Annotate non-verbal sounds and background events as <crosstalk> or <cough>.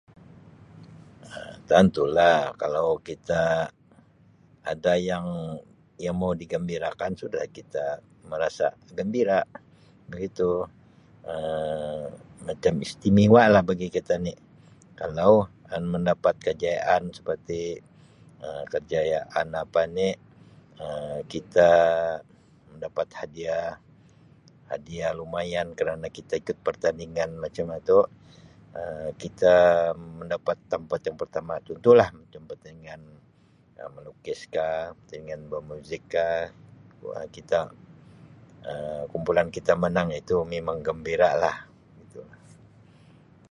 Um Tantu lah kalau kita ada yang yang mau digembira kan sudah kita merasa gembira begitu Um macam istimewa lah bagi kita ni' kalau kan mendapat kejayaan seperti Um kejayaan apa ni' Um kita mendapat hadiah hadiah lumayan kerana kita ikut pertandingan macam atu Um kita mendapat tampat yang pertama contoh lah pertandingan melukis kah pertandingan bamuzik kah <unintelligible> Um kumpulan kita menang itu memang gembira lah itu.